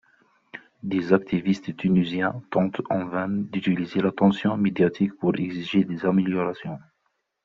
Des activistes tunisiens tentent en vain d'utiliser l'attention médiatique pour exiger des améliorations.